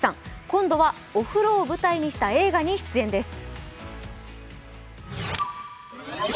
今度はお風呂を舞台にした映画に出演です。